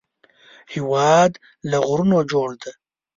هېواد له غرونو جوړ دی